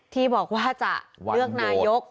ที่บอกว่าจะเลือกนายก